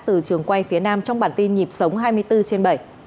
từ trường quay phía nam trong bản tin nhịp sống hai mươi bốn trên bảy